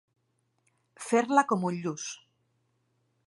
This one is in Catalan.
Fer-la com un lluç.